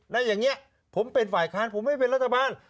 แล้วอย่างนี้ผมเป็นฝ่ายค้านผมไม่เป็นรัฐบาล